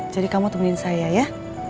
jadi kamu temenin saya ya